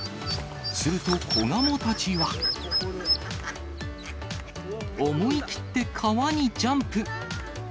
すると、子ガモたちは。思い切って川にジャンプ。